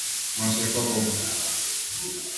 მას ერქვა კობა